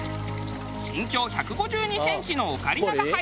身長１５２センチのオカリナが入ると。